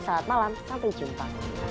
selamat malam sampai jumpa